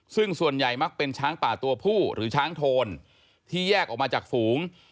ซึ่งส่วนใหญ่มักเป็นช้างป่าตัวผู้หรือช้างโทนที่แยกออกมาจากฝูง